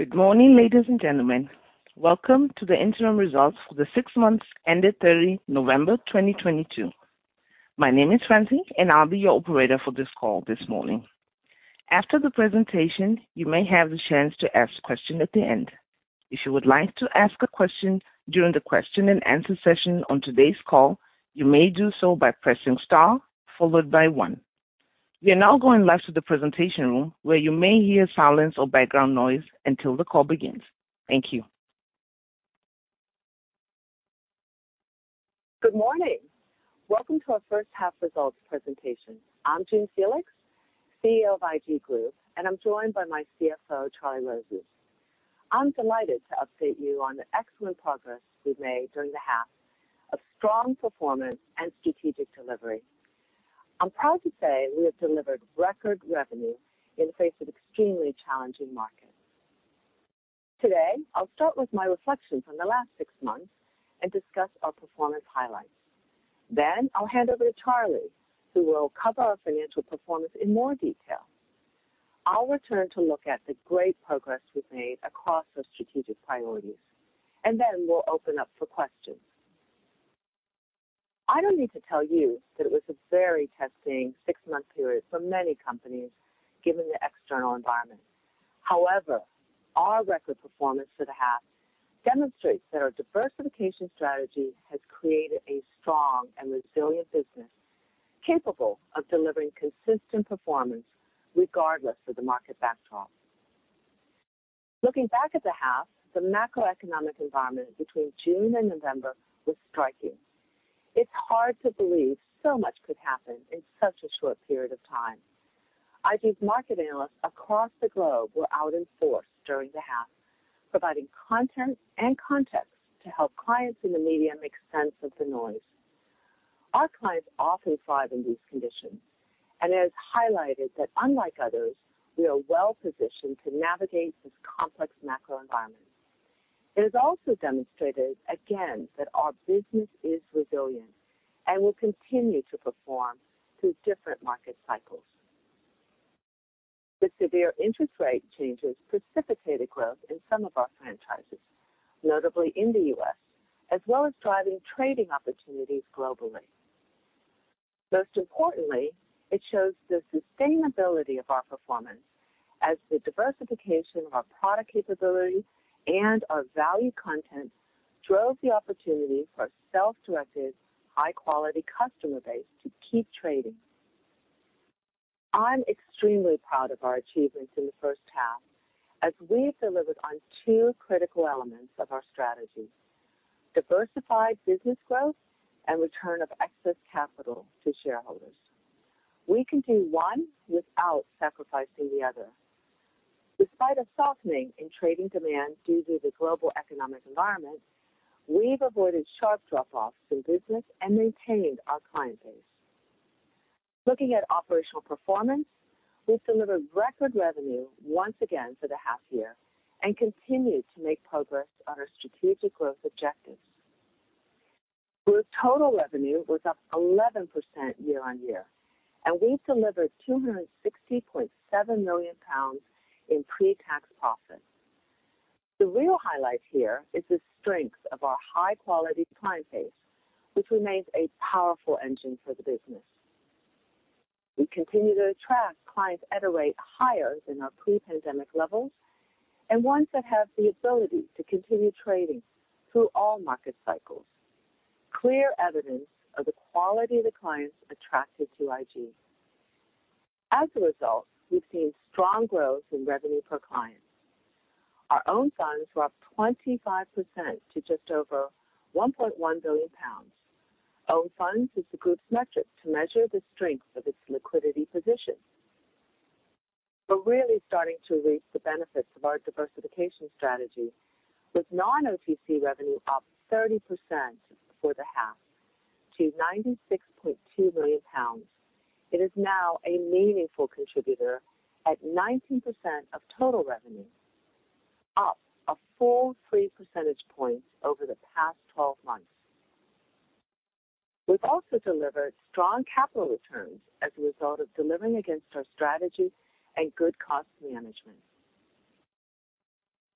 Good morning, ladies and gentlemen. Welcome to the interim results for the six months ended 30th November 2022. My name is Francine, and I'll be your operator for this call this morning. After the presentation, you may have the chance to ask questions at the end. If you would like to ask a question during the question and answer session on today's call, you may do so by pressing Star followed by one. We are now going live to the presentation room, where you may hear silence or background noise until the call begins. Thank you. Good morning. Welcome to our first half results presentation. I'm June Felix, CEO of IG Group, and I'm joined by my CFO, Charlie Rozes. I'm delighted to update you on the excellent progress we've made during the half of strong performance and strategic delivery. I'm proud to say we have delivered record revenue in the face of extremely challenging markets. Today, I'll start with my reflections on the last six months and discuss our performance highlights. I'll hand over to Charlie, who will cover our financial performance in more detail. I'll return to look at the great progress we've made across our strategic priorities, and then we'll open up for questions. I don't need to tell you that it was a very testing six -month period for many companies given the external environment. Our record performance for the half demonstrates that our diversification strategy has created a strong and resilient business capable of delivering consistent performance regardless of the market backdrop. Looking back at the half, the macroeconomic environment between June and November was striking. It's hard to believe so much could happen in such a short period of time. IG's market analysts across the globe were out in force during the half, providing content and context to help clients in the media make sense of the noise. Our clients often thrive in these conditions, it has highlighted that, unlike others, we are well-positioned to navigate this complex macro environment. It has also demonstrated, again, that our business is resilient and will continue to perform through different market cycles. The severe interest rate changes precipitated growth in some of our franchises, notably in the U.S., as well as driving trading opportunities globally. Most importantly, it shows the sustainability of our performance as the diversification of our product capability and our value content drove the opportunity for our self-directed, high-quality customer base to keep trading. I'm extremely proud of our achievements in the first half as we've delivered on two critical elements of our strategy: diversified business growth and return of excess capital to shareholders. We can do one without sacrificing the other. Despite a softening in trading demand due to the global economic environment, we've avoided sharp drop-offs in business and maintained our client base. Looking at operational performance, we've delivered record revenue once again for the half year and continued to make progress on our strategic growth objectives. Group total revenue was up 11% year-on-year. We delivered GBP 260.7 million in pre-tax profit. The real highlight here is the strength of our high-quality client base, which remains a powerful engine for the business. We continue to attract clients at a rate higher than our pre-pandemic levels and ones that have the ability to continue trading through all market cycles. Clear evidence of the quality of the clients attracted to IG. As a result, we've seen strong growth in revenue per client. Our own funds were up 25% to just over 1.1 billion pounds. Own funds is the Group's metric to measure the strength of its liquidity position. We're really starting to reap the benefits of our diversification strategy, with non-OTC revenue up 30% for the half to 96.2 million pounds. It is now a meaningful contributor at 19% of total revenue, up a full three percentage points over the past 12 months. We've also delivered strong capital returns as a result of delivering against our strategy and good cost management.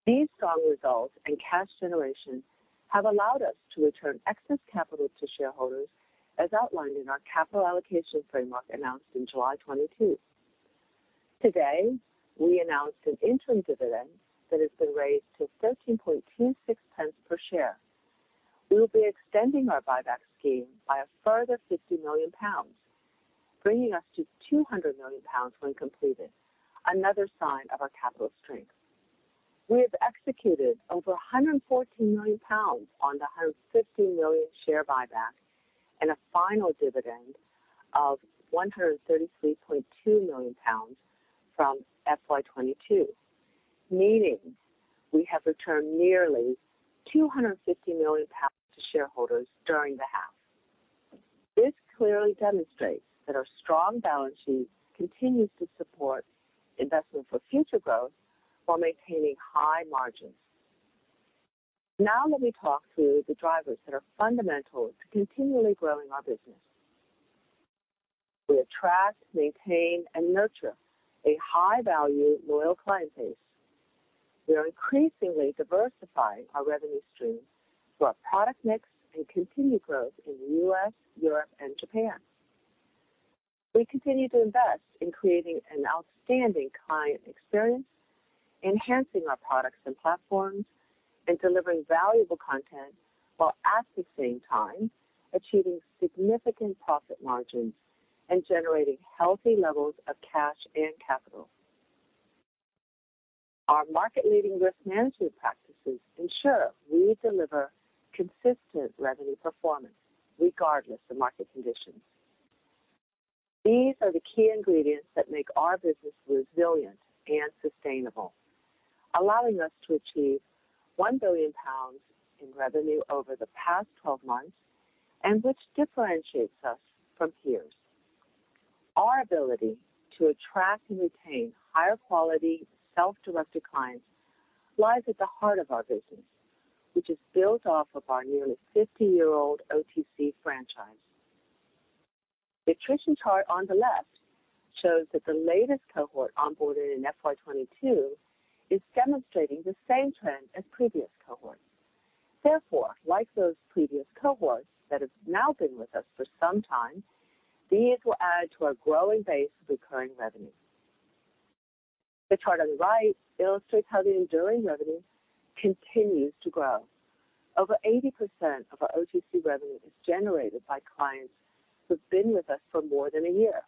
These strong results and cash generation have allowed us to return excess capital to shareholders, as outlined in our capital allocation framework announced in July 2022. Today, we announced an interim dividend that has been raised to 13.26 pence per share. We will be extending our buyback scheme by a further 50 million pounds, bringing us to 200 million pounds when completed, another sign of our capital strength. We have executed over 114 million pounds on the 150 million share buyback and a final dividend of 133.2 million pounds from FY 2022, meaning we have returned nearly 250 million pounds to shareholders during the half. This clearly demonstrates that our strong balance sheet continues to support investment for future growth while maintaining high margins. Let me talk through the drivers that are fundamental to continually growing our business. We attract, maintain, and nurture a high-value loyal client base. We are increasingly diversifying our revenue stream through our product mix and continued growth in the U.S, Europe, and Japan. We continue to invest in creating an outstanding client experience, enhancing our products and platforms, and delivering valuable content, while at the same time achieving significant profit margins and generating healthy levels of cash and capital. Our market-leading risk management practices ensure we deliver consistent revenue performance regardless of market conditions. These are the key ingredients that make our business resilient and sustainable, allowing us to achieve 1 billion pounds in revenue over the past 12 months, and which differentiates us from peers. Our ability to attract and retain higher-quality self-directed clients lies at the heart of our business, which is built off of our nearly 50-year-old OTC franchise. The attrition chart on the left shows that the latest cohort onboarded in FY 2022 is demonstrating the same trend as previous cohorts. Therefore, like those previous cohorts that have now been with us for some time, these will add to our growing base of recurring revenue. The chart on the right illustrates how the enduring revenue continues to grow. Over 80% of our OTC revenue is generated by clients who've been with us for more than one year.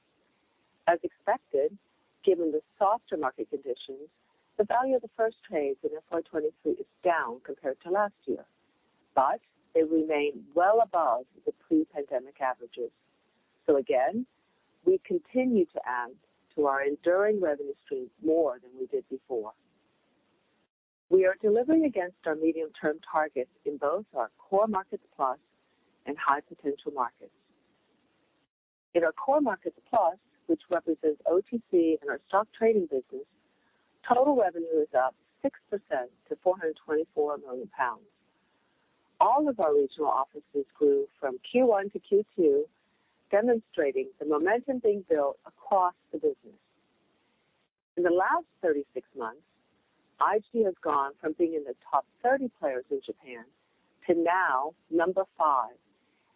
As expected, given the softer market conditions, the value of the first trades in FY 2023 is down compared to last year, they remain well above the pre-pandemic averages. Again, we continue to add to our enduring revenue streams more than we did before. We are delivering against our medium-term targets in both our Core Markets+ and High Potential Markets. In our Core Markets plus, which represents OTC and our stock trading business, total revenue is up 6% to 424 million pounds. All of our regional offices grew from Q1 to Q2, demonstrating the momentum being built across the business. In the last 36 months, IG has gone from being in the top 30 players in Japan to now number five,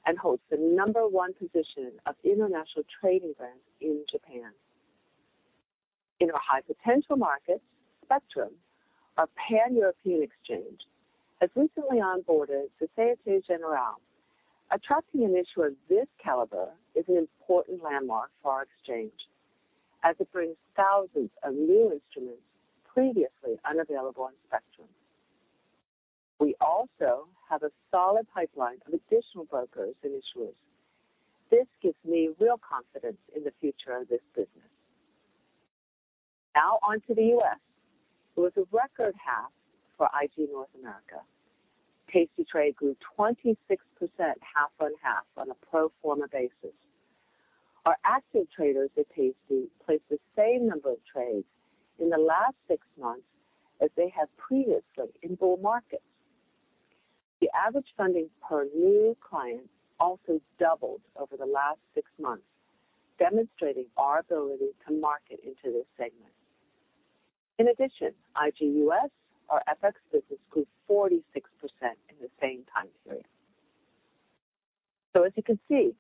and holds the number one position of international trading brands in Japan. In our High Potential Markets, Spectrum, our pan-European exchange, has recently onboarded Société Générale. Attracting an issuer of this caliber is an important landmark for our exchange, as it brings thousands of new instruments previously unavailable on Spectrum. We also have a solid pipeline of additional brokers and issuers. This gives me real confidence in the future of this business. Now on to the U.S. It was a record half for IG North America. tastytrade grew 26% half on half on a pro forma basis. Our active traders at tasty placed the same number of trades in the last six months as they have previously in bull markets. The average funding per new client also doubled over the last six months, demonstrating our ability to market into this segment. In addition, IG U.S, our FX business, grew 46% in the same time period. As you can see,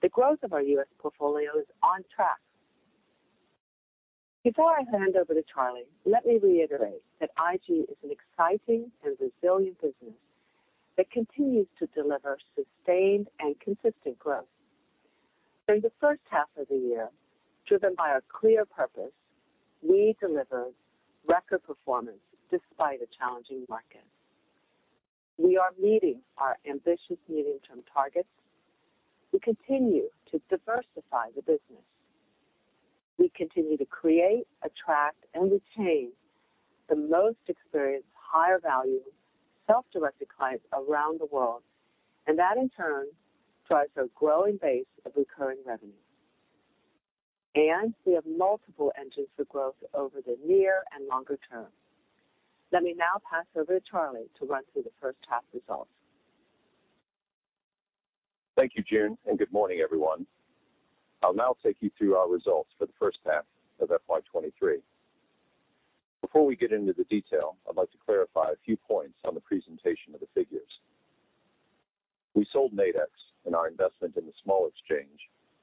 the growth of our U.S portfolio is on track. Before I hand over to Charlie, let me reiterate that IG is an exciting and resilient business that continues to deliver sustained and consistent growth. During the first half of the year, driven by our clear purpose, we delivered record performance despite a challenging market. We are meeting our ambitious medium-term targets. We continue to diversify the business. We continue to create, attract, and retain the most experienced, higher-value, self-directed clients around the world, and that, in turn, drives our growing base of recurring revenue. We have multiple engines for growth over the near and longer term. Let me now pass over to Charlie to run through the first half results. Thank you, June. Good morning, everyone. I'll now take you through our results for the first half of FY 2023. Before we get into the detail, I'd like to clarify a few points on the presentation of the figures. We sold Nadex and our investment in the Small Exchange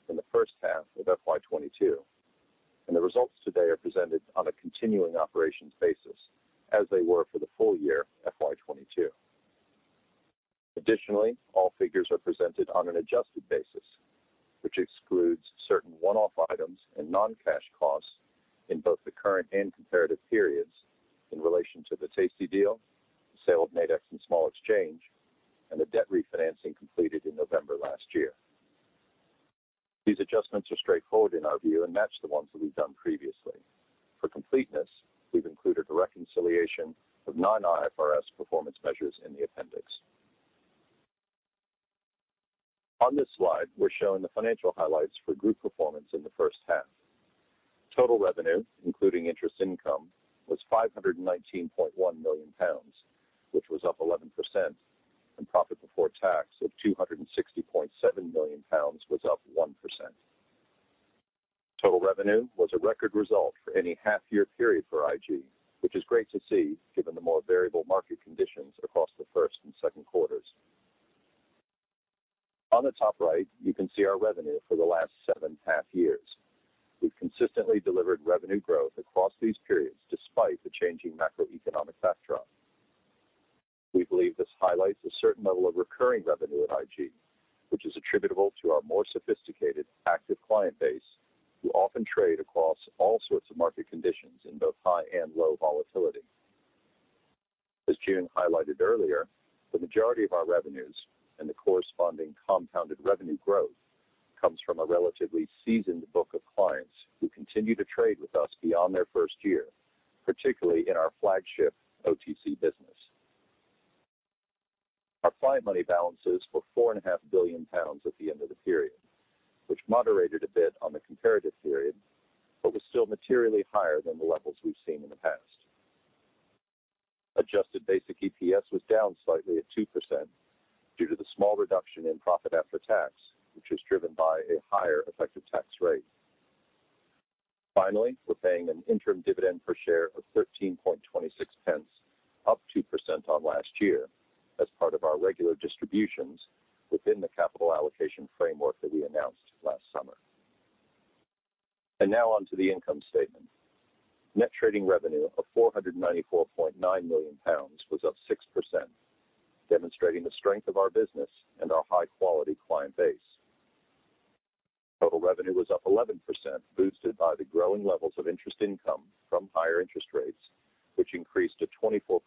in the first half of FY 2022, and the results today are presented on a continuing operations basis, as they were for the full year FY 2022. Additionally, all figures are presented on an adjusted basis, which excludes certain one-off items and non-cash costs in both the current and comparative periods in relation to the Tasty deal, the sale of Nadex and Small Exchange, and the debt refinancing completed in November 2022. These adjustments are straightforward in our view and match the ones that we've done previously. For completeness, we've included a reconciliation of non-IFRS performance measures in the appendix. On this slide, we're showing the financial highlights for group performance, Total revenue, including interest income, was 519.1 million pounds, which was up 11% and profit before tax of 260.7 million pounds was up 1%. Total revenue was a record result for any half-year period for IG, which is great to see given the more variable market conditions across the first and second quarters. On the top right, you can see our revenue for the last seven half years. We've consistently delivered revenue growth across these periods despite the changing macroeconomic backdrop. We believe this highlights a certain level of recurring revenue at IG, which is attributable to our more sophisticated active client base, who often trade across all sorts of market conditions in both high and low volatility. As June highlighted earlier, the majority of our revenues and the corresponding compounded revenue growth comes from a relatively seasoned book of clients who continue to trade with us beyond their first year, particularly in our flagship OTC business. Our client money balances for 4.5 billion pounds at the end of the period, which moderated a bit on the comparative period, but was still materially higher than the levels we've seen in the past. Adjusted basic EPS was down slightly at 2% due to the small reduction in profit after tax, which was driven by a higher effective tax rate. Finally, we're paying an interim dividend per share of 13.26 pence, up 2% on last year as part of our regular distributions within the capital allocation framework that we announced last summer. Now on to the income statement. Net trading revenue of 494.9 million pounds was up 6%, demonstrating the strength of our business and our high-quality client base. Total revenue was up 11%, boosted by the growing levels of interest income from higher interest rates, which increased to 24.2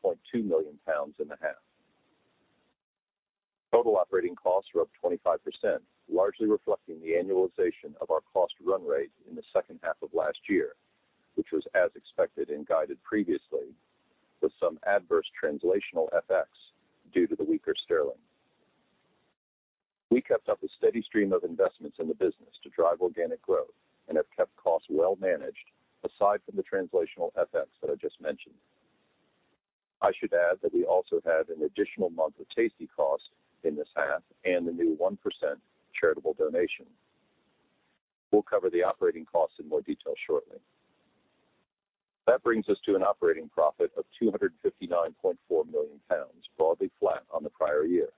million pounds in the half. Total operating costs were up 25%, largely reflecting the annualization of our cost run rate in the second half of last year, which was as expected and guided previously with some adverse translational FX due to the weaker Sterling. We kept up a steady stream of investments in the business to drive organic growth and have kept costs well managed aside from the translational FX that I just mentioned. I should add that we also had an additional month of Tasty costs in this half and the new 1% charitable donation. We'll cover the operating costs in more detail shortly. That brings us to an operating profit of 259.4 million pounds, broadly flat on the prior year.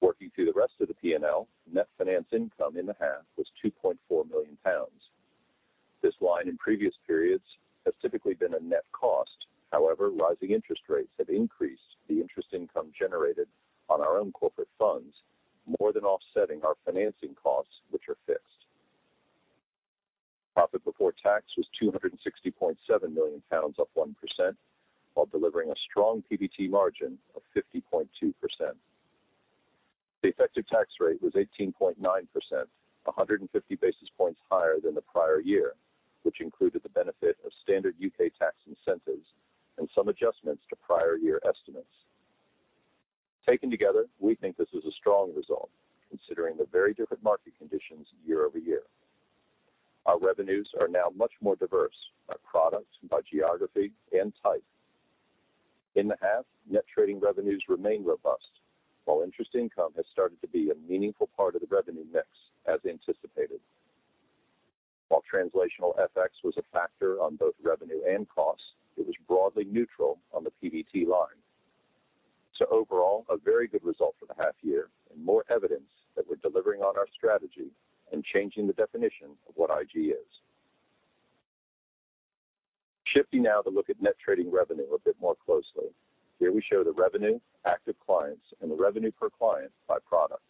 Working through the rest of the P&L, net finance income in the half was 2.4 million pounds. This line in previous periods has typically been a net cost. However, rising interest rates have increased the interest income generated on our own corporate funds, more than offsetting our financing costs, which are fixed. Profit before tax was 260.7 million pounds, up 1%, while delivering a strong PBT margin of 50.2%. The effective tax rate was 18.9%, 150 basis points higher than the prior year, which included the benefit of standard U.K. tax incentives and some adjustments to prior year estimates. Taken together, we think this is a strong result, considering the very different market conditions year-over-year. Our revenues are now much more diverse by product, by geography, and type. In the half, net trading revenues remain robust, while interest income has started to be a meaningful part of the revenue mix, as anticipated. While translational FX was a factor on both revenue and costs, it was broadly neutral on the PBT line. Overall, a very good result for the half year and more evidence that we're delivering on our strategy and changing the definition of what IG is. Shifting now to look at net trading revenue a bit more closely. Here we show the revenue, active clients, and the revenue per client by product.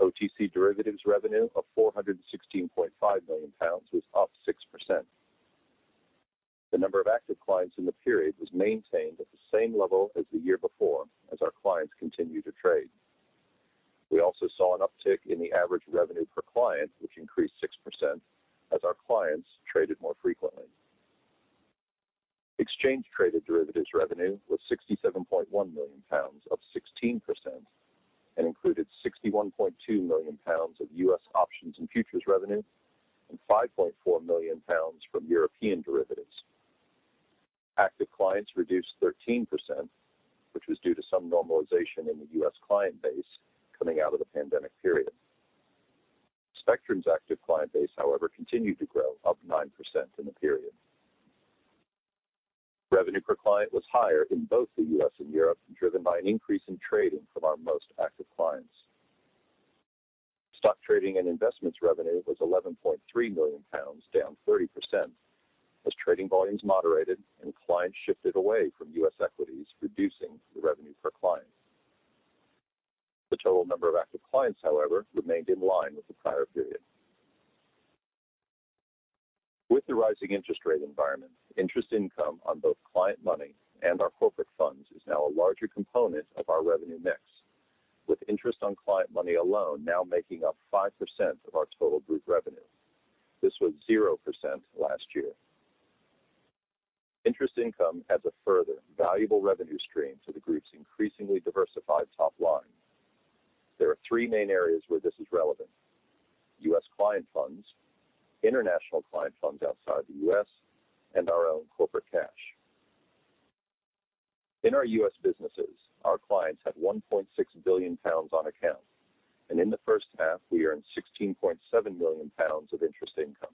OTC derivatives revenue of 416.5 million pounds was up 6%. The number of active clients in the period was maintained at the same level as the year before as our clients continued to trade. We also saw an uptick in the average revenue per client, which increased 6% as our clients traded more frequently. Exchange traded derivatives revenue was 67.1 million pounds, up 16%, and included 61.2 million pounds of U.S. options and futures revenue and 5.4 million pounds from European derivatives. Active clients reduced 13%, which was due to some normalization in the U.S. client base coming out of the pandemic period. Spectrum's active client base, however, continued to grow, up 9% in the period. Revenue per client was higher in both the U.S. and Europe, driven by an increase in trading from our most active clients. Stock trading and investments revenue was 11.3 million pounds, down 30%, as trading volumes moderated and clients shifted away from U.S. equities, reducing the revenue per client. The total number of active clients, however, remained in line with the prior period. With the rising interest rate environment, interest income on both client money and our corporate funds is now a larger component of our revenue mix, with interest on client money alone now making up 5% of our total group revenue. This was 0% last year. Interest income adds a further valuable revenue stream to the group's increasingly diversified top line. There are three main areas where this is relevant: U.S. client funds, international client funds outside the U.S., and our own corporate cash. In our U.S. businesses, our clients had 1.6 billion pounds on account, and in the first half, we earned 16.7 million pounds of interest income.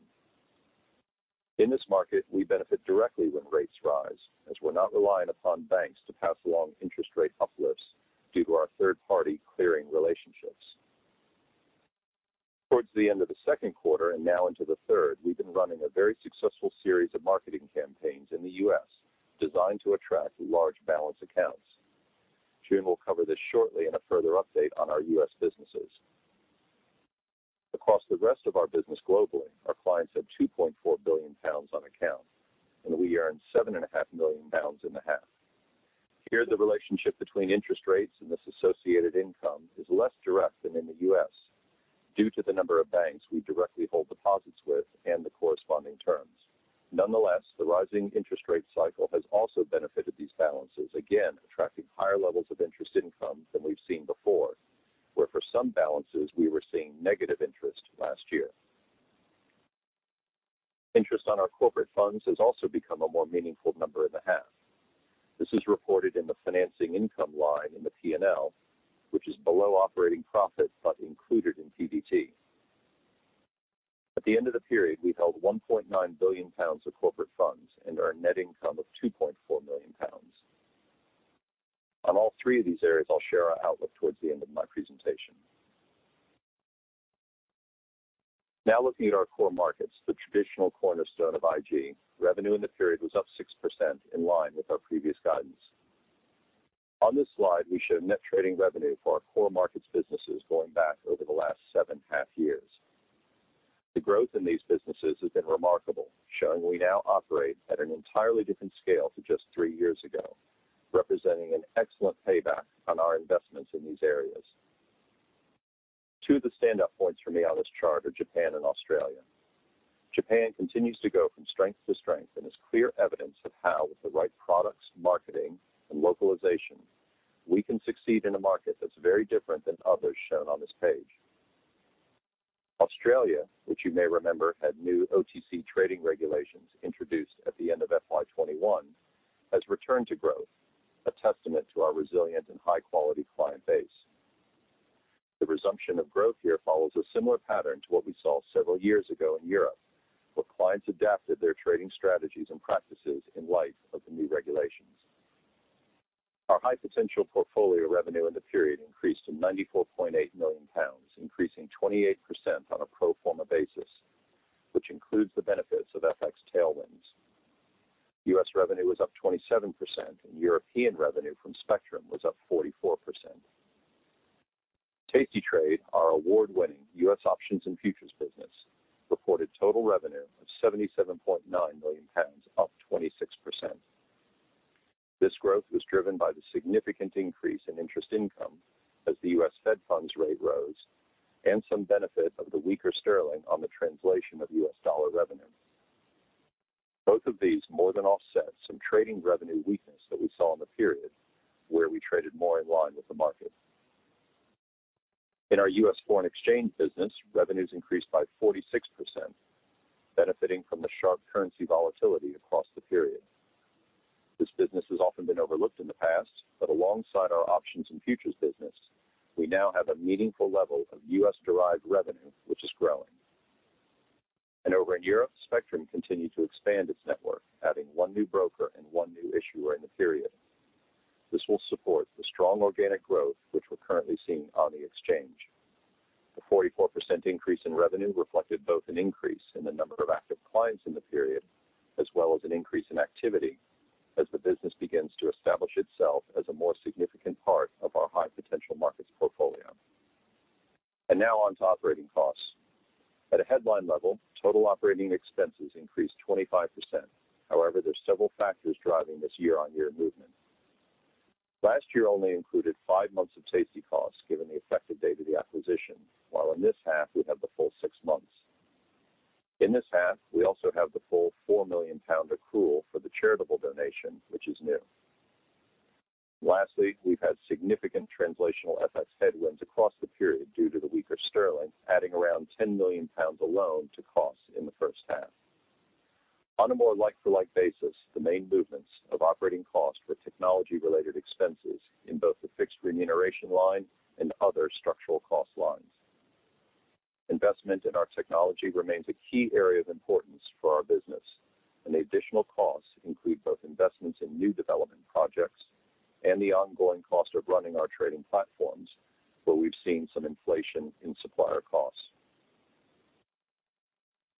In this market, we benefit directly when rates rise, as we're not reliant upon banks to pass along interest rate uplifts due to our third-party clearing relationships. Towards the end of the second quarter and now into the third, we've been running a very successful series of marketing campaigns in the U.S. designed to attract large balance accounts. June will cover this shortly in a further update on our U.S. businesses. Across the rest of our business globally, our clients had 2.4 billion pounds on account, and we earned 7.5 million pounds in the half. Here, the relationship between interest rates and this associated income is less direct than in the US due to the number of banks we directly hold deposits with and the corresponding terms. Nonetheless, the rising interest rate cycle has also benefited these balances, again, attracting higher levels of interest income than we've seen before, where for some balances we were seeing negative interest last year. Interest on our corporate funds has also become a more meaningful number in the half. This is reported in the financing income line in the P&L, which is below operating profit but included in PBT. At the end of the period, we held 1.9 billion pounds of corporate funds and earned net income of 2.4 million pounds. On all three of these areas, I'll share our outlook towards the end of my presentation. Looking at our Core Markets+, the traditional cornerstone of IG, revenue in the period was up 6% in line with our previous guidance. On this slide, we show net trading revenue for our Core Markets businesses going back over the last seven half-years. The growth in these businesses has been remarkable, showing we now operate at an entirely different scale to just three years ago, representing an excellent payback on our investments in these areas. Two of the stand-up points for me on this chart are Japan and Australia. Japan continues to go from strength to strength and is clear evidence of how, with the right products, marketing, and localization, we can succeed in a market that's very different than others shown on this page. Australia, which you may remember had new OTC trading regulations introduced at the end of FY 2021, has returned to growth, a testament to our resilient and high-quality client base. The resumption of growth here follows a similar pattern to what we saw several years ago in Europe, where clients adapted their trading strategies and practices in light of the new regulations. Our High Potential portfolio revenue in the period increased to 94.8 million pounds, increasing 28% on a pro forma basis, which includes the benefits of FX tailwinds. U.S. revenue was up 27%, and European revenue from Spectrum was up 44%. Tastytrade, our award-winning U.S. options and futures business, reported total revenue of 77.9 million pounds, up 26%. This growth was driven by the significant increase in interest income as the U.S. Fed funds rate rose and some benefit of the weaker sterling on the translation of U.S. dollar revenue. Both of these more than offset some trading revenue weakness that we saw in the period where we traded more in line with the market. In our U.S. foreign exchange business, revenues increased by 46%, benefiting from the sharp currency volatility across the period. This business has often been overlooked in the past, but alongside our options and futures business, we now have a meaningful level of U.S. derived revenue, which is growing. Over in Europe, Spectrum continued to expand its network, adding one new broker and one new issuer in the period. This will support the strong organic growth which we're currently seeing on the exchange. The 44% increase in revenue reflected both an increase in the number of active clients in the period, as well as an increase in activity as the business begins to establish itself as a more significant part of our High Potential Markets portfolio. Now on to operating costs. At a headline level, total operating expenses increased 25%. However, there's several factors driving this year-on-year movement. Last year only included five months of Tasty costs given the effective date of the acquisition, while in this half we have the full six months. In this half, we also have the full 4 million pound accrual for the charitable donation, which is new. Lastly, we've had significant translational FX headwinds across the period due to the weaker sterling, adding around 10 million pounds alone to costs in the first half. On a more like-for-like basis, the main movements of operating costs were technology-related expenses in both the fixed remuneration line and other structural cost lines. Investment in our technology remains a key area of importance for our business, and the additional costs include both investments in new development projects and the ongoing cost of running our trading platforms, where we've seen some inflation in supplier costs.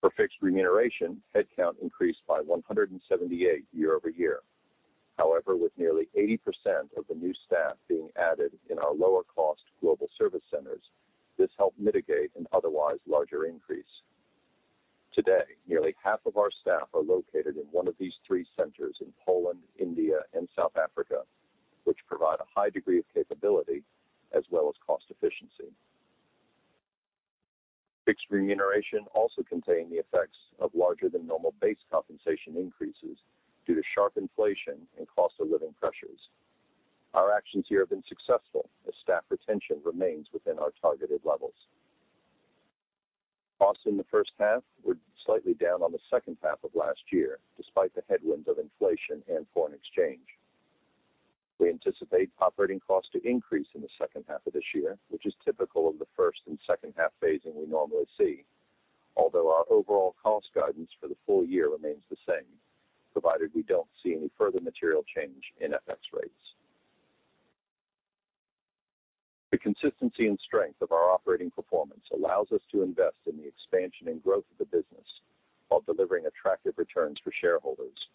For fixed remuneration, headcount increased by 178 year-over-year. However, with nearly 80% of the new staff being added in our lower-cost global service centers, this helped mitigate an otherwise larger increase. Today, nearly half of our staff are located in one of these three centers in Poland, India, and South Africa, which provide a high degree of capability as well as cost efficiency. Fixed remuneration also contain the effects of larger than normal base compensation increases due to sharp inflation and cost of living pressures. Our actions here have been successful as staff retention remains within our targeted levels. Costs in the first half were slightly down on the second half of last year, despite the headwinds of inflation and foreign exchange. We anticipate operating costs to increase in the second half of this year, which is typical of the first and second half phasing we normally see. Our overall cost guidance for the full year remains the same, provided we don't see any further material change in FX rates. The consistency and strength of our operating performance allows us to invest in the expansion and growth of the business while delivering attractive returns for shareholders.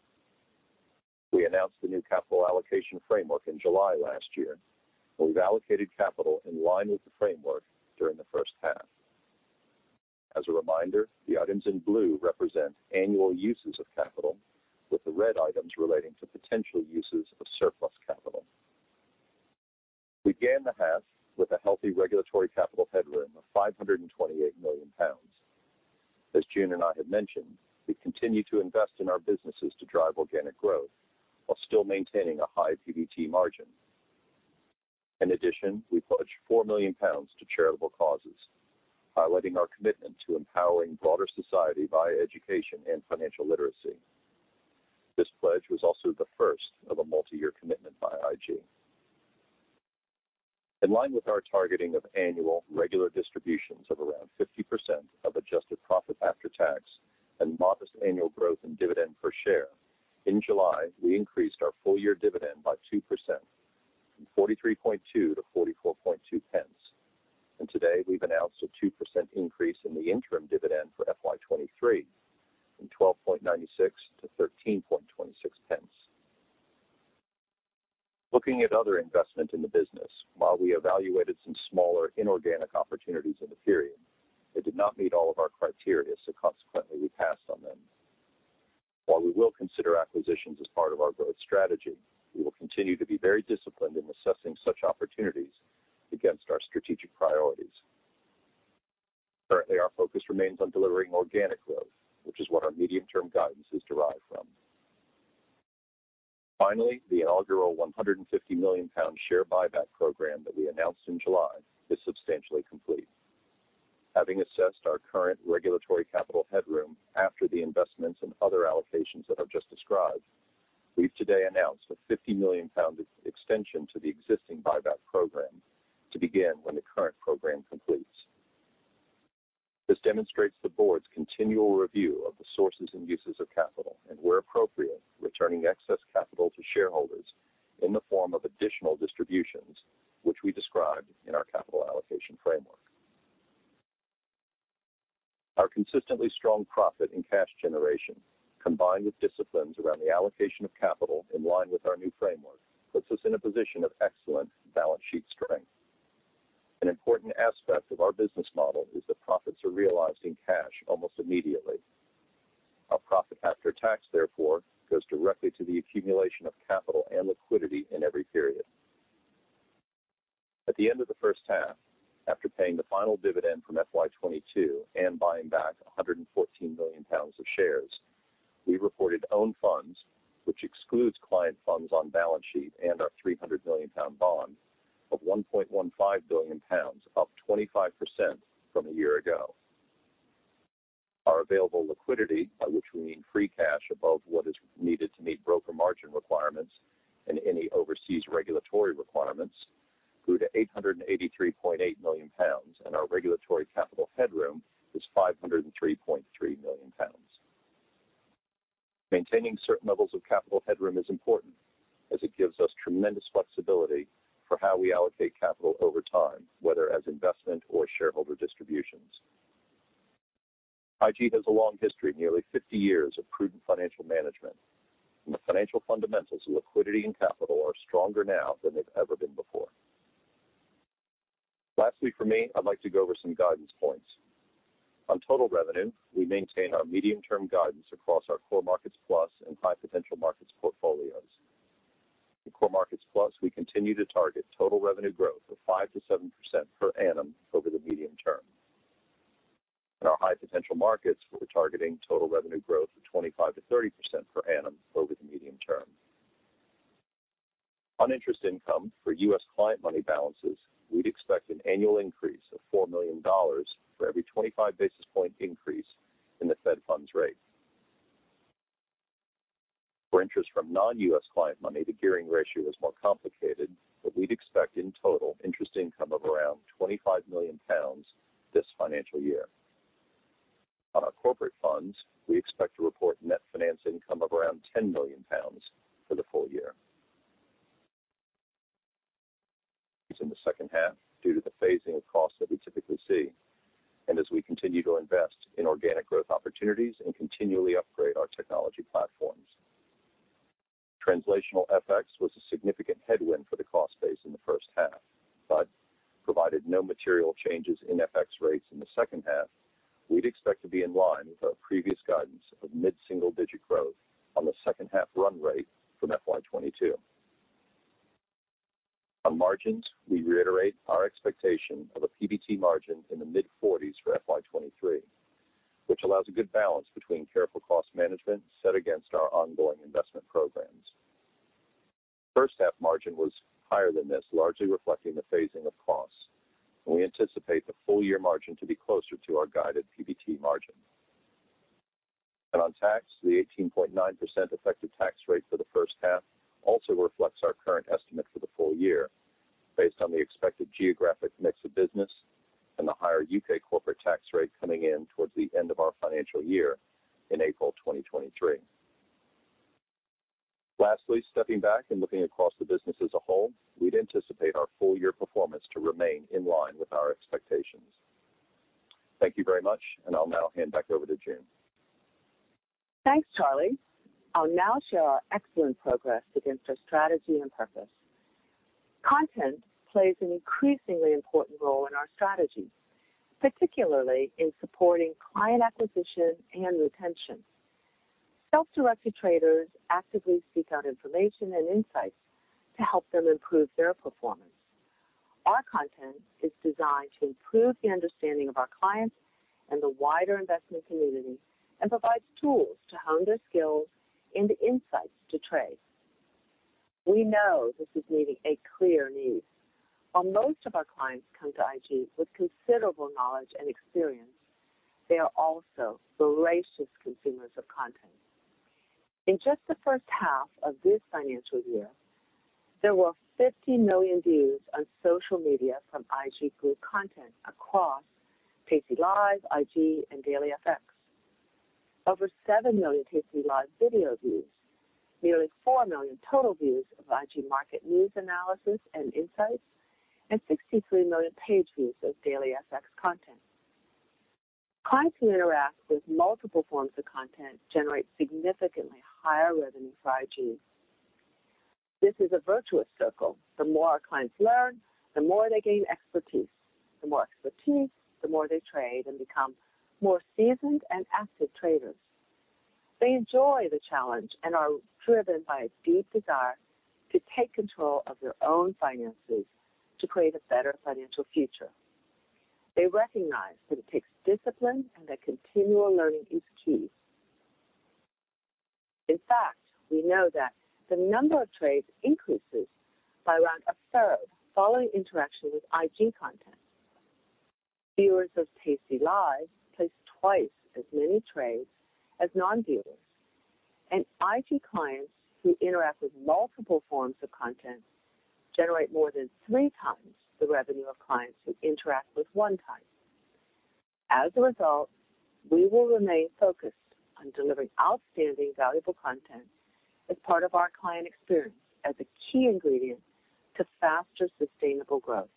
We announced the new capital allocation framework in July last year, and we've allocated capital in line with the framework during the first half. As a reminder, the items in blue represent annual uses of capital, with the red items relating to potential uses of surplus capital. We began the half with a healthy regulatory capital headroom of 528 million pounds. As June and I have mentioned, we continue to invest in our businesses to drive organic growth while still maintaining a high PBT margin. In addition, we pledged 4 million pounds to charitable causes, highlighting our commitment to empowering broader society via education and financial literacy. This pledge was also the first of a multi-year commitment by IG. In line with our targeting of annual regular distributions of around 50% of adjusted profit after tax and modest annual growth in dividend per share, in July, we increased our full-year dividend by 2% from 0.432-0.442. Today we've announced a 2% increase in the interim dividend for FY 2023 from 0.1296-0.1326. Looking at other investment in the business, while we evaluated some smaller inorganic opportunities in the period, they did not meet all of our criteria, so consequently we passed on them. While we will consider acquisitions as part of our growth strategy, we will continue to be very disciplined in assessing such opportunities against our strategic priorities. Currently, our focus remains on delivering organic growth, which is what our medium-term guidance is derived from. Finally, the inaugural 150 million pound share buyback program that we announced in July is substantially complete. Having assessed our current regulatory capital headroom after the investments and other allocations that I've just described, we've today announced a 50 million pound extension to the existing buyback program to begin when the current program completes. This demonstrates the board's continual review of the sources and uses of capital, and where appropriate, returning excess capital to shareholders in the form of additional distributions, which we described in our capital allocation framework. Our consistently strong profit and cash generation, combined with disciplines around the allocation of capital in line with our new framework, puts us in a position of excellent balance sheet strength. An important aspect of our business model is that profits are realized in cash almost immediately. Our profit after tax, therefore, goes directly to the accumulation of capital and liquidity in every period. At the end of the first half, after paying the final dividend from FY22 and buying back 114 million pounds of shares, we reported own funds, which excludes client funds on balance sheet and our 300 million pound bond, of 1.15 billion pounds, up 25% from a year ago. Our available liquidity, by which we mean free cash above what is needed to meet broker margin requirements and any overseas regulatory requirements, grew to 883.8 million pounds, and our regulatory capital headroom is 503.3 million pounds. Maintaining certain levels of capital headroom is important as it gives us tremendous flexibility for how we allocate capital over time, whether as investment or shareholder distributions. IG has a long history of nearly 50 years of prudent financial management, and the financial fundamentals of liquidity and capital are stronger now than they've ever been before. Lastly for me, I'd like to go over some guidance points. On total revenue, we maintain our medium-term guidance across our Core Markets Plus and High Potential Markets portfolios. In Core Markets Plus, we continue to target total revenue growth of 5%-7% per annum over the medium term. In our High Potential Markets, we're targeting total revenue growth of 25%-30% per annum over the medium term. On interest income for U.S. client money balances, we'd expect an annual increase of $4 million for every 25 basis point increase in the Fed funds rate. For interest from non-U.S. client money, the gearing ratio is more complicated, but we'd expect in total interest income of around 25 million pounds this financial year. On our corporate funds, we expect to report net finance income of around 10 million pounds for the full year. It's in the second half due to the phasing of costs that we typically see, and as we continue to invest in organic growth opportunities and continually upgrade our technology platforms. Translational FX was a significant headwind for the cost base in the first half, but provided no material changes in FX rates in the second half, we'd expect to be in line with our previous guidance of mid-single-digit growth on the second half run rate from FY 2022. On margins, we reiterate our expectation of a PBT margin in the mid-forties for FY 2023, which allows a good balance between careful cost management set against our ongoing investment programs. First half margin was higher than this, largely reflecting the phasing of costs. We anticipate the full-year margin to be closer to our guided PBT margin. On tax, the 18.9% effective tax rate for the first half also reflects our current estimate for the full year based on the expected geographic mix of business and the higher U.K corporate tax rate coming in towards the end of our financial year in April 2023. Lastly, stepping back and looking across the business as a whole, we'd anticipate our full-year performance to remain in line with our expectations. Thank you very much. I'll now hand back over to June. Thanks, Charlie. I'll now show our excellent progress against our strategy and purpose. Content plays an increasingly important role in our strategy, particularly in supporting client acquisition and retention. Self-directed traders actively seek out information and insights to help them improve their performance. Our content is designed to improve the understanding of our clients and the wider investment community and provides tools to hone their skills and the insights to trade. We know this is meeting a clear need. While most of our clients come to IG with considerable knowledge and experience, they are also voracious consumers of content. In just the first half of this financial year, there were 50 million views on social media from IG Group content across tastylive, IG, and DailyFX. Over 7 million tastylive video views, nearly 4 million total views of IG news analysis and insights, and 63 million page views of DailyFX content. Clients who interact with multiple forms of content generate significantly higher revenue for IG. This is a virtuous circle. The more our clients learn, the more they gain expertise. The more expertise, the more they trade and become more seasoned and active traders. They enjoy the challenge and are driven by a deep desire to take control of their own finances to create a better financial future. They recognize that it takes discipline, and that continual learning is key. In fact, we know that the number of trades increases by around a third following interaction with IG content. Viewers of tastylive place 2x as many trades as non-viewers, and IG clients who interact with multiple forms of content generate more than 3x the revenue of clients who interact with one type. As a result, we will remain focused on delivering outstanding valuable content as part of our client experience as a key ingredient to faster, sustainable growth.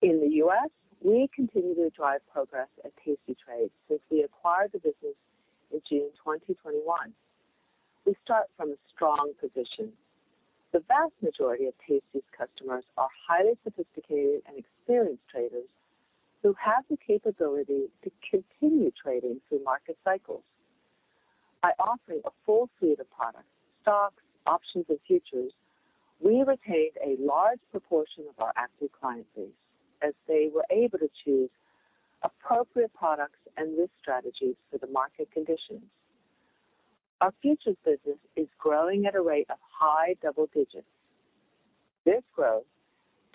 In the U.S, we continue to drive progress at tastytrade since we acquired the business in June 2021. We start from a strong position. The vast majority of tastytrade's customers are highly sophisticated and experienced traders who have the capability to continue trading through market cycles. By offering a full suite of products, stocks, options, and futures, we retained a large proportion of our active client base as they were able to choose appropriate products and risk strategies for the market conditions. Our futures business is growing at a rate of high double digits. This growth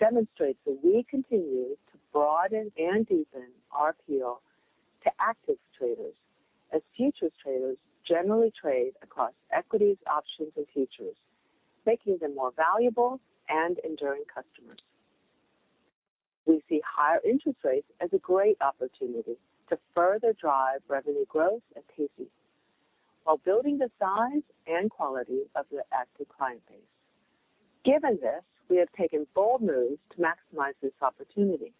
demonstrates that we continue to broaden and deepen our appeal to active traders as futures traders generally trade across equities, options, and futures, making them more valuable and enduring customers. We see higher interest rates as a great opportunity to further drive revenue growth at tastytrade while building the size and quality of the active client base. Given this, we have taken bold moves to maximize this opportunity.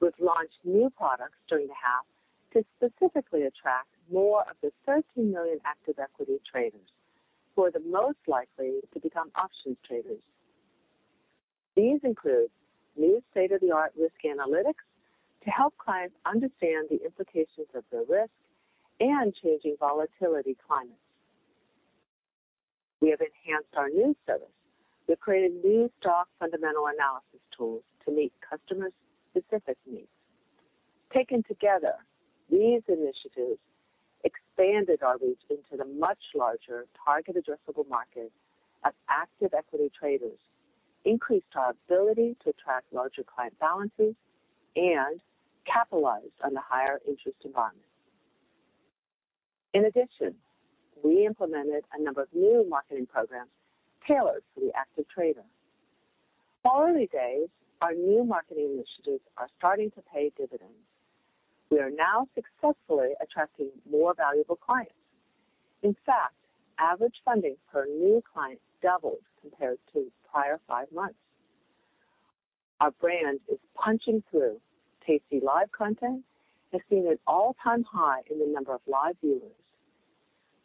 We've launched new products during the half to specifically attract more of the 13 million active equity traders who are the most likely to become options traders. These include new state-of-the-art risk analytics to help clients understand the implications of their risk and changing volatility climates. We have enhanced our news service. We've created new stock fundamental analysis tools to meet customers' specific needs. Taken together, these initiatives expanded our reach into the much larger target addressable market of active equity traders, increased our ability to attract larger client balances, and capitalized on the higher interest environment. We implemented a number of new marketing programs tailored for the active trader. While early days, our new marketing initiatives are starting to pay dividends. We are now successfully attracting more valuable clients. In fact, average funding per new client doubled compared to prior five months. Our brand is punching through. tastylive content has seen an all-time high in the number of live viewers.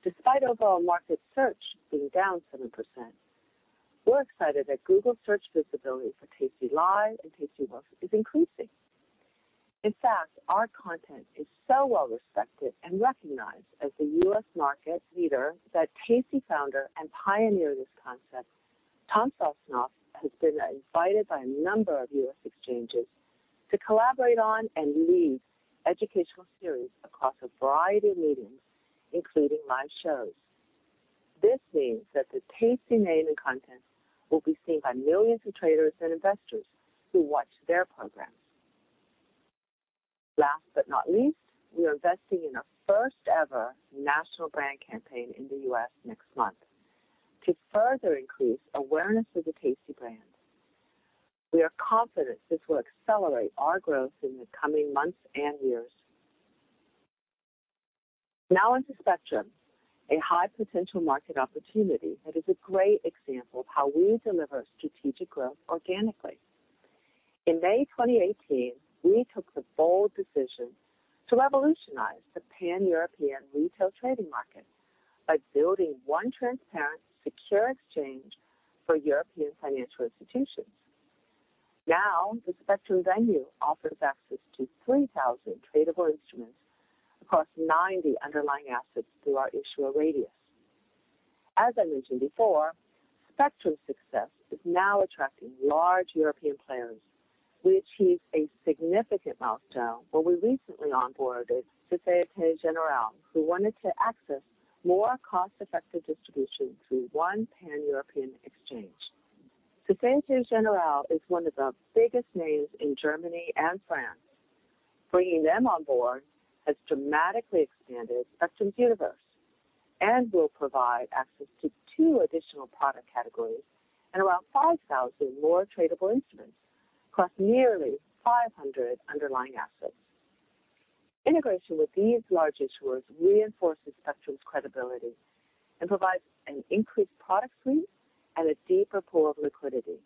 Despite overall market search being down 7%, we're excited that Google search visibility for tastylive and tastytrade is increasing. Our content is so well-respected and recognized as the U.S. market leader that Tasty founder and pioneer this concept, Tom Sosnoff, has been invited by a number of U.S. exchanges to collaborate on and lead educational series across a variety of mediums, including live shows. This means that the Tasty name and content will be seen by millions of traders and investors who watch their programs. We are investing in a first-ever national brand campaign in the U.S. next month to further increase awareness of the Tasty brand. We are confident this will accelerate our growth in the coming months and years. Spectrum, a high-potential market opportunity that is a great example of how we deliver strategic growth organically. In May 2018, we took the bold decision to revolutionize the Pan-European retail trading market by building one transparent, secure exchange for European financial institutions. The Spectrum Venue offers access to 3,000 tradable instruments across 90 underlying assets through our issuer Raydius. As I mentioned before, Spectrum's success is now attracting large European players. We achieved a significant milestone when we recently onboarded Société Générale, who wanted to access more cost-effective distribution through one Pan-European exchange. Société Générale is one of the biggest names in Germany and France. Bringing them on board has dramatically expanded Spectrum's universe and will provide access to 2 additional product categories and around 5,000 more tradable instruments across nearly 500 underlying assets. Integration with these large issuers reinforces Spectrum's credibility and provides an increased product suite and a deeper pool of liquidity.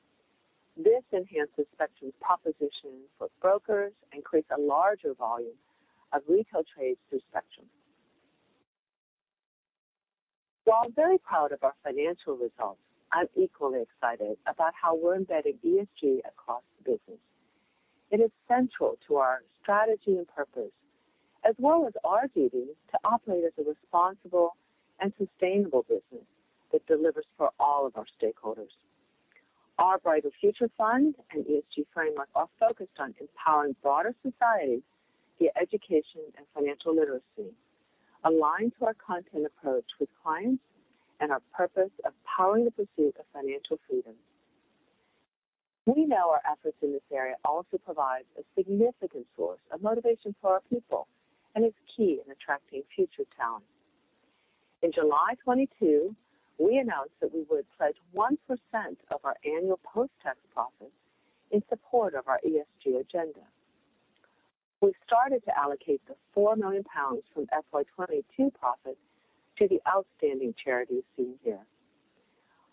This enhances Spectrum's proposition for brokers and creates a larger volume of retail trades through Spectrum. While I'm very proud of our financial results, I'm equally excited about how we're embedding ESG across the business. It is central to our strategy and purpose, as well as our duty to operate as a responsible and sustainable business that delivers for all of our stakeholders. Our Brighter Future Fund and ESG framework are focused on empowering broader societies via education and financial literacy, aligned to our content approach with clients and our purpose of powering the pursuit of financial freedom. We know our efforts in this area also provides a significant source of motivation for our people and is key in attracting future talent. In July 2022, we announced that we would pledge 1% of our annual post-tax profits in support of our ESG agenda. We've started to allocate the 4 million pounds from FY 2022 profits to the outstanding charities seen here.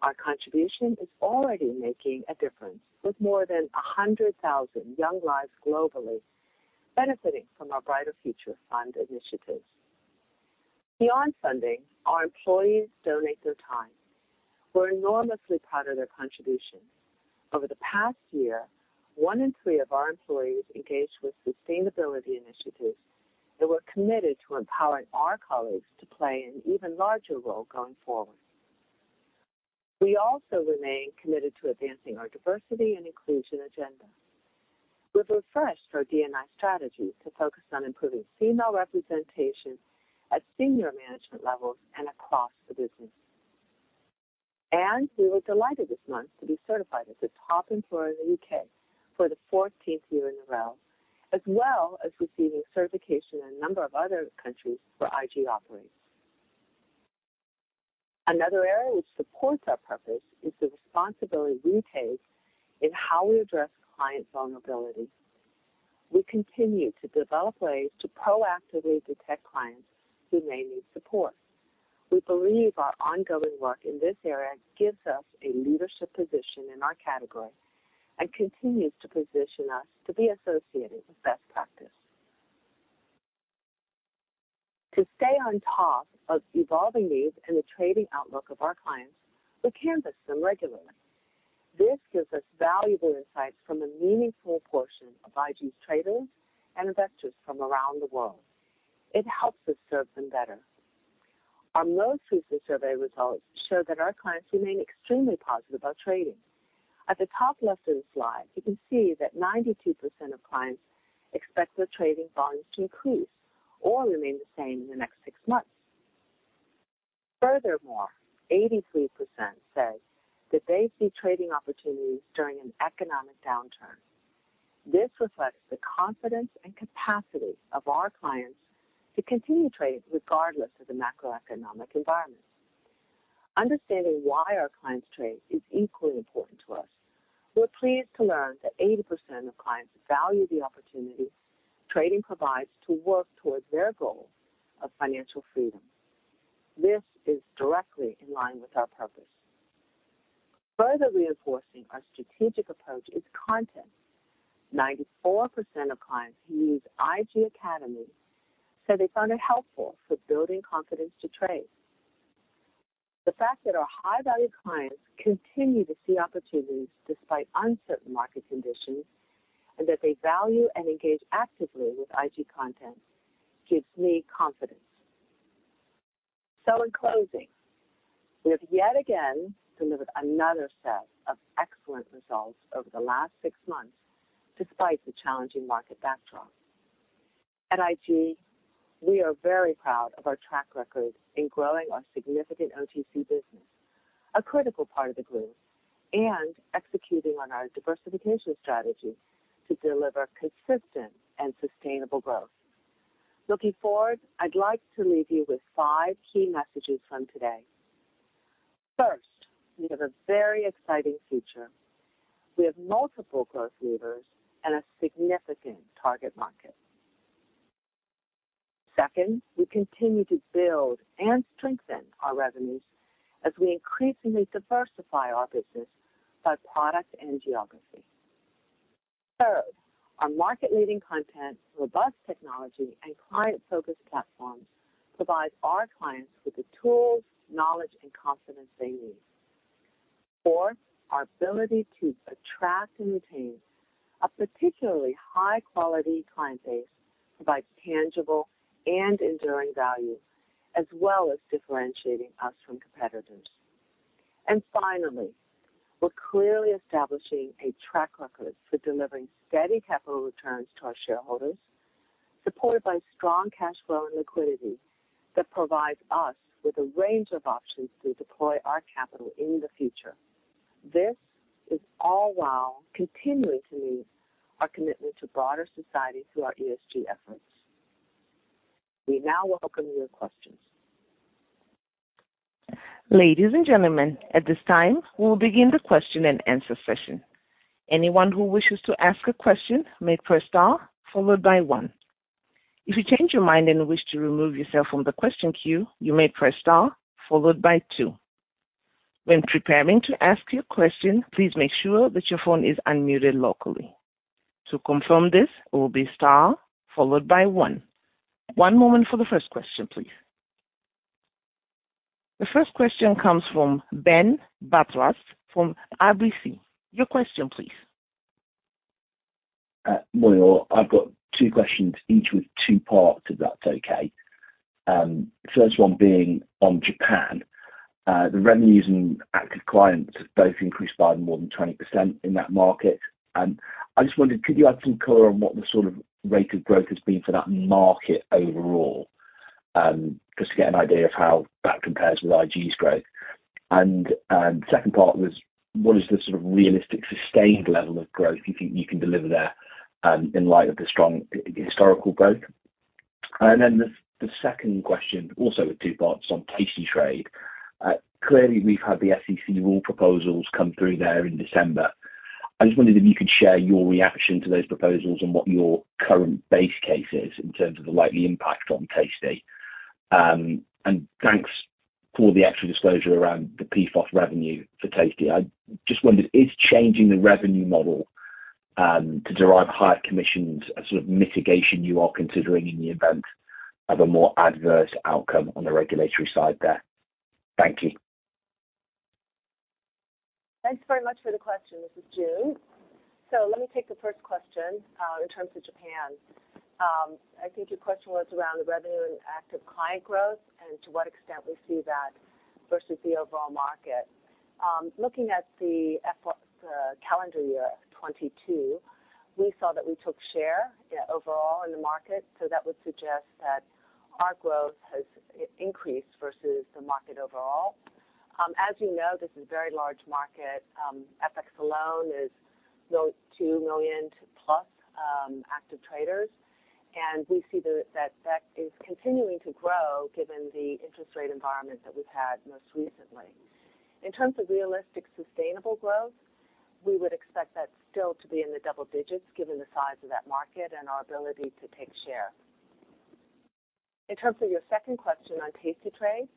Our contribution is already making a difference, with more than 100,000 young lives globally benefiting from our Brighter Future Fund initiatives. Beyond funding, our employees donate their time. We're enormously proud of their contribution. Over the past year, one in three of our employees engaged with sustainability initiatives, we're committed to empowering our colleagues to play an even larger role going forward. We also remain committed to advancing our diversity and inclusion agenda. We've refreshed our D&I strategy to focus on improving female representation at senior management levels and across the business. We were delighted this month to be certified as a top employer in the U.K. for the 14th year in a row, as well as receiving certification in a number of other countries where IG operates. Another area which supports our purpose is the responsibility we take in how we address client vulnerability. We continue to develop ways to proactively detect clients who may need support. We believe our ongoing work in this area gives us a leadership position in our category and continues to position us to be associated with best practice. To stay on top of evolving needs and the trading outlook of our clients, we canvass them regularly. This gives us valuable insights from a meaningful portion of IG's traders and investors from around the world. It helps us serve them better. Our most recent survey results show that our clients remain extremely positive about trading. At the top left of the slide, you can see that 92% of clients expect their trading volumes to increase or remain the same in the next six months. Furthermore, 83% said that they see trading opportunities during an economic downturn. This reflects the confidence and capacity of our clients to continue trading regardless of the macroeconomic environment. Understanding why our clients trade is equally important to us. We're pleased to learn that 80% of clients value the opportunity trading provides to work towards their goal of financial freedom. This is directly in line with our purpose. Further reinforcing our strategic approach is content. 94% of clients who use IG Academy said they found it helpful for building confidence to trade. The fact that our high value clients continue to see opportunities despite uncertain market conditions, and that they value and engage actively with IG content gives me confidence. In closing, we have yet again delivered another set of excellent results over the last six months despite the challenging market backdrop. At IG, we are very proud of our track record in growing our significant OTC business, a critical part of the group, and executing on our diversification strategy to deliver consistent and sustainable growth. Looking forward, I'd like to leave you with five key messages from today. First, we have a very exciting future. We have multiple growth levers and a significant target market. Second, we continue to build and strengthen our revenues as we increasingly diversify our business by product and geography. Third, our market-leading content, robust technology, and client-focused platforms provide our clients with the tools, knowledge, and confidence they need. Fourth, our ability to attract and retain a particularly high-quality client base provides tangible and enduring value, as well as differentiating us from competitors. Finally, we're clearly establishing a track record for delivering steady capital returns to our shareholders, supported by strong cash flow and liquidity that provides us with a range of options to deploy our capital in the future. This is all while continuing to meet our commitment to broader society through our ESG efforts. We now welcome your questions. Ladies and gentlemen, at this time, we'll begin the question-and-answer session. Anyone who wishes to ask a question may press star followed by one. If you change your mind and wish to remove yourself from the question queue, you may press star followed by two. When preparing to ask your question, please make sure that your phone is unmuted locally. To confirm this, it will be star followed by one. One moment for the first question, please. The first question comes from Ben Bathurst from RBC. Your question please. Good morning all. I've got two questions, each with two parts, if that's okay. First one being on Japan. The revenues and active clients both increased by more than 20% in that market. I just wondered, could you add some color on what the sort of rate of growth has been for that market overall, just to get an idea of how that compares with IG's growth. Second part was what is the sort of realistic sustained level of growth you think you can deliver there, in light of the strong historical growth? Then the second question also with two parts on tastytrade. Clearly, we've had the SEC rule proposals come through there in December. I just wondered if you could share your reaction to those proposals and what your current base case is in terms of the likely impact on tastytrade. Thanks for the extra disclosure around the PFOF revenue for tastytrade. I just wondered, is changing the revenue model to derive higher commissions a sort of mitigation you are considering in the event of a more adverse outcome on the regulatory side there? Thank you. Thanks very much for the question. This is June. Let me take the first question in terms of Japan. I think your question was around the revenue and active client growth and to what extent we see that versus the overall market. Looking at the FY, calendar year 2022, we saw that we took share overall in the market, so that would suggest that our growth has increased versus the market overall. As you know, this is a very large market. FX alone is no 2 million-plus active traders, and we see that is continuing to grow given the interest rate environment that we've had most recently. In terms of realistic, sustainable growth, we would expect that still to be in the double digits, given the size of that market and our ability to take share. In terms of your second question on tastytrade,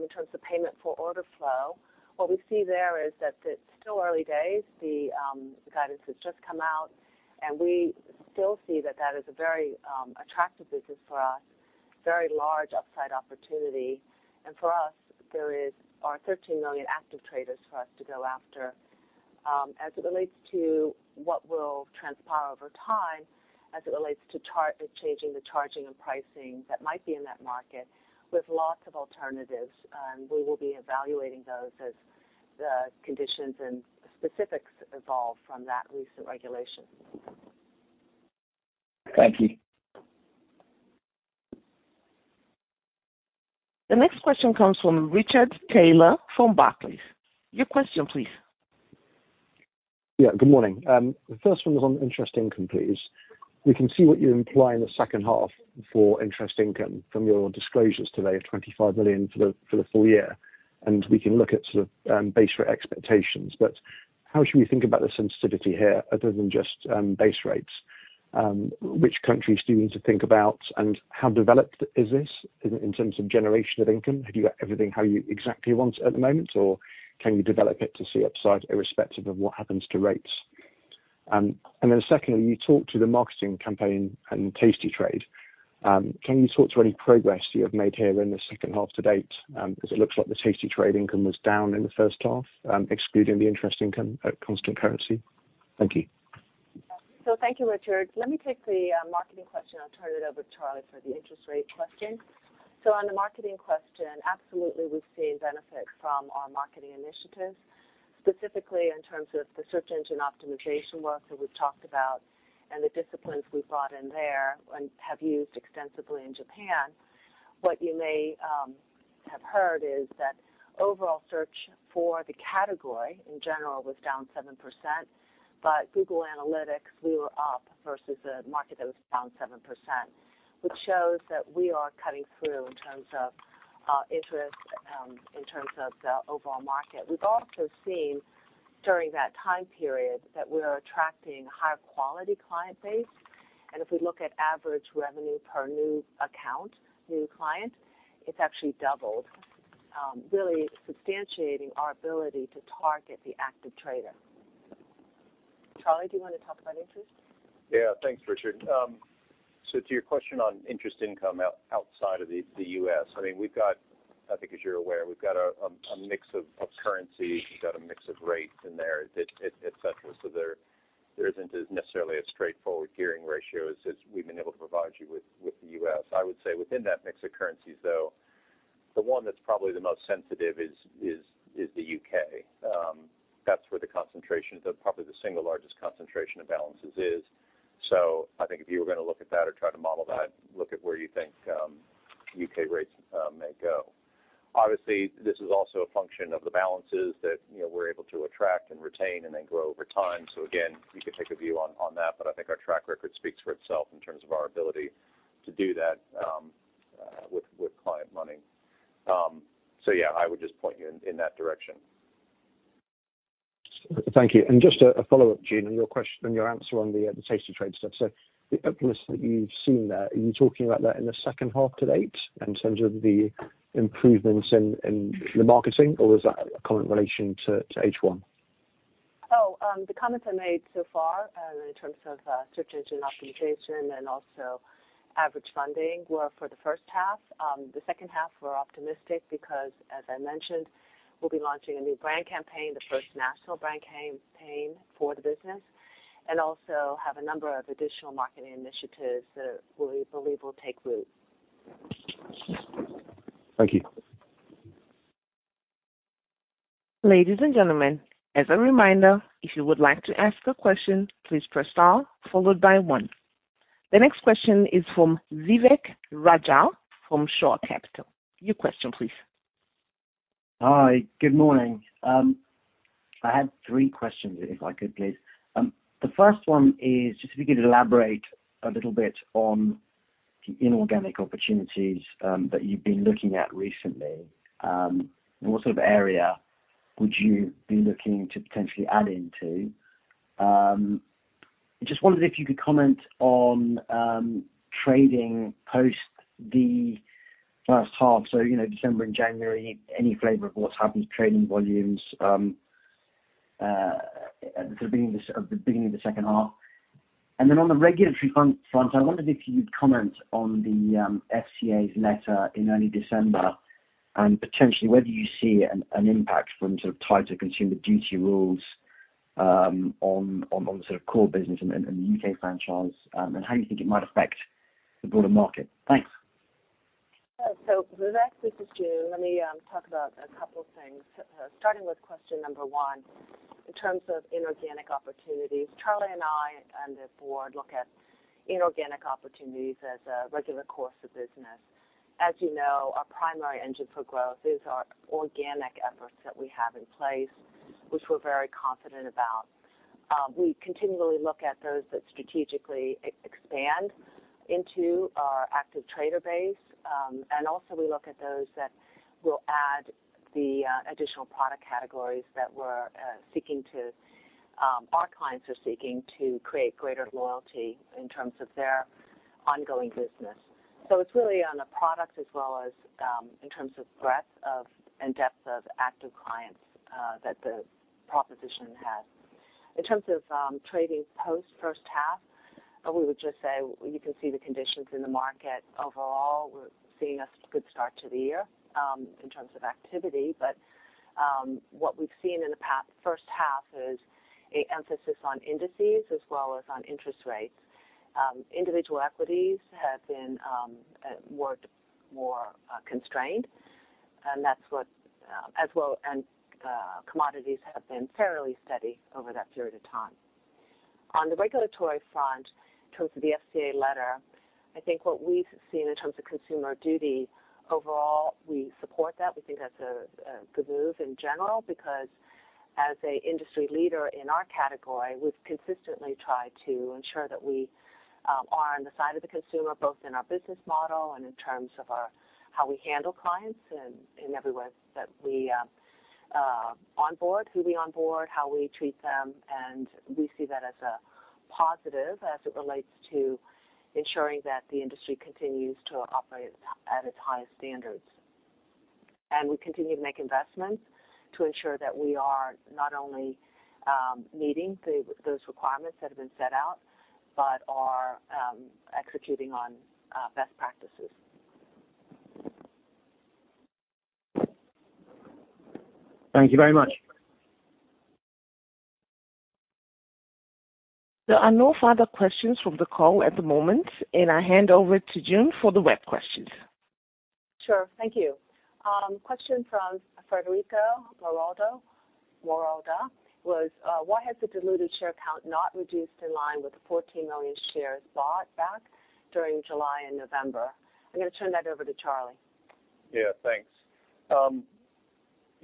in terms of payment for order flow, what we see there is that it's still early days. The guidance has just come out, we still see that that is a very attractive business for us, very large upside opportunity. For us, there are 13 million active traders for us to go after. As it relates to what will transpire over time, as it relates to changing the charging and pricing that might be in that market with lots of alternatives, we will be evaluating those as the conditions and specifics evolve from that recent regulation. Thank you. The next question comes from Richard Taylor from Barclays. Your question please. Yeah, good morning. The first one was on interest income, please. We can see what you imply in the second half for interest income from your disclosures today of 25 million for the full year. We can look at sort of, base rate expectations. How should we think about the sensitivity here other than just base rates? Which countries do you need to think about, and how developed is this in terms of generation of income? Have you got everything how you exactly want at the moment, or can you develop it to see upside irrespective of what happens to rates? Secondly, you talked to the marketing campaign and tastytrade. Can you talk to any progress you have made here in the second half to date? Because it looks like the tastytrade income was down in the first half, excluding the interest income at constant currency. Thank you. Thank you, Richard. Let me take the marketing question. I'll turn it over to Charlie for the interest rate question. On the marketing question, absolutely we've seen benefits from our marketing initiatives, specifically in terms of the search engine optimization work that we've talked about and the disciplines we brought in there and have used extensively in Japan. What you may have heard is that overall search for the category in general was down 7%, but Google Analytics, we were up versus a market that was down 7%, which shows that we are cutting through in terms of interest in terms of the overall market. We've also seen during that time period that we're attracting higher quality client base. If we look at average revenue per new account, new client, it's actually doubled, really substantiating our ability to target the active trader. Charlie, do you want to talk about interest? Yeah. Thanks, Richard. To your question on interest income outside of the U.S., I mean, we've got I think as you're aware, we've got a mix of currencies. We've got a mix of rates in there, et cetera. There isn't a necessarily a straightforward gearing ratio as we've been able to provide you with the U.S. I would say within that mix of currencies, though, the one that's probably the most sensitive is the U.K. That's where the concentration of probably the single largest concentration of balances is. I think if you were gonna look at that or try to model that, look at where you think U.K. rates may go. Obviously, this is also a function of the balances that, you know, we're able to attract and retain and then grow over time. Again, you could take a view on that, but I think our track record speaks for itself in terms of our ability to do that, with client money. Yeah, I would just point you in that direction. Thank you. Just a follow-up, June, on your answer on the tastytrade stuff. The optimism you've seen there, are you talking about that in the second half to date in terms of the improvements in the marketing, or is that a comment in relation to H one? The comments I made so far, in terms of search engine optimization and also average funding were for the first half. The second half we're optimistic because as I mentioned, we'll be launching a new brand campaign, the first national brand campaign for the business, and also have a number of additional marketing initiatives that we believe will take root. Thank you. Ladies and gentlemen, as a reminder, if you would like to ask a question, please press star followed by one. The next question is from Vivek Raja from Shore Capital. Your question, please. Hi. Good morning. I had three questions, if I could, please. The first one is just if you could elaborate a little bit on the inorganic opportunities that you've been looking at recently. What sort of area would you be looking to potentially add into? Just wondered if you could comment on trading post the first half, so, you know, December and January, any flavor of what's happened to trading volumes at the beginning of the second half. On the regulatory front, I wondered if you'd comment on the FCA's letter in early December, and potentially whether you see an impact from sort of tighter Consumer Duty rules on the sort of core business and the U.K. franchise, and how you think it might affect the broader market. Thanks. Vivek, this is June. Let me talk about a couple things, starting with question number one. In terms of inorganic opportunities, Charlie and I and the board look at inorganic opportunities as a regular course of business. As you know, our primary engine for growth is our organic efforts that we have in place, which we're very confident about. We continually look at those that strategically e-expand into our active trader base. Also we look at those that will add the additional product categories that we're seeking to, our clients are seeking to create greater loyalty in terms of their ongoing business. It's really on the products as well as in terms of breadth of and depth of active clients that the proposition has. In terms of trading post first half, we would just say you can see the conditions in the market. Overall, we're seeing a good start to the year in terms of activity. What we've seen in the past first half is a emphasis on indices as well as on interest rates. Individual equities have been more constrained, and that's what as well and commodities have been fairly steady over that period of time. On the regulatory front, in terms of the FCA letter, I think what we've seen in terms of Consumer Duty, overall, we support that. We think that's a good move in general because as an industry leader in our category, we've consistently tried to ensure that we are on the side of the consumer, both in our business model and in terms of how we handle clients and in every way that we onboard, who we onboard, how we treat them. We see that as a positive as it relates to ensuring that the industry continues to operate at its highest standards. We continue to make investments to ensure that we are not only meeting those requirements that have been set out, but are executing on best practices. Thank you very much. There are no further questions from the call at the moment. I hand over to June for the web questions. Sure. Thank you. Question from Federico Morando, was, why has the diluted share count not reduced in line with the 14 million shares bought back during July and November? I'm gonna turn that over to Charlie. Yeah, thanks.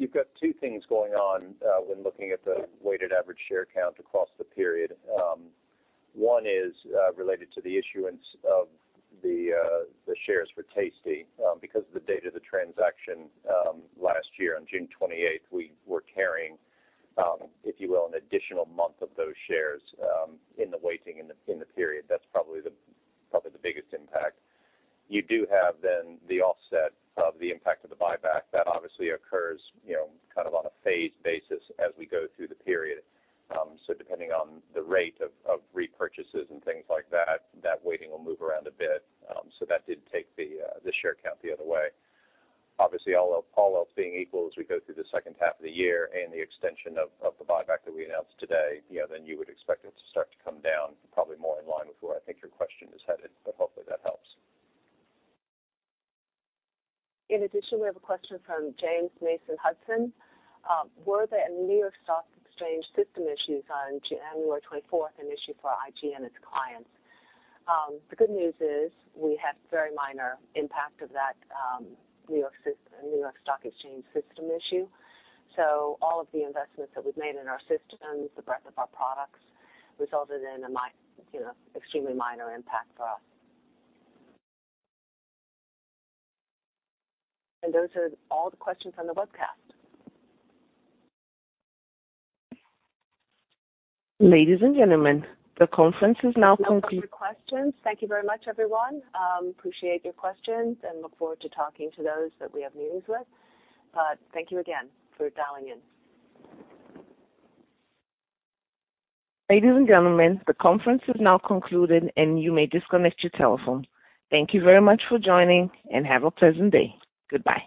You've got two things going on when looking at the weighted average share count across the period. One is related to the issuance of the shares for tastytrade. Because the date of the transaction last year on June 28th, we were carrying, if you will, an additional month of those shares in the weighting in the period. That's probably the biggest impact. You do have the offset of the impact of the buyback that obviously occurs, you Those are all the questions on the webcast. Ladies and gentlemen, the conference is now conclu- No further questions. Thank you very much, everyone. Appreciate your questions and look forward to talking to those that we have meetings with. Thank you again for dialing in. Ladies and gentlemen, the conference has now concluded, and you may disconnect your telephone. Thank you very much for joining, and have a pleasant day. Goodbye.